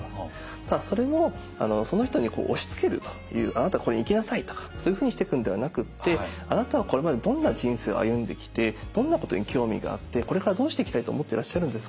ただそれもその人に押しつけるという「あなたここに行きなさい」とかそういうふうにしていくんではなくって「あなたはこれまでどんな人生を歩んできてどんなことに興味があってこれからどうしていきたいと思ってらっしゃるんですか？」